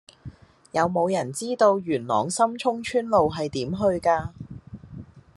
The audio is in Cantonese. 有無人知道元朗深涌村路係點去㗎